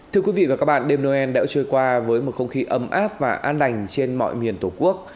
thưa quý vị và các bạn đêm noel đã trôi qua với một không khí ấm áp và an đành trên mọi miền tổ quốc